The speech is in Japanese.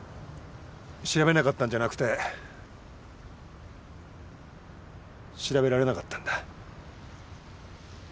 調べなかったんじゃなくて調べられなかったんだ。